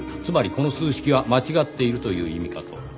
つまりこの数式は間違っているという意味かと。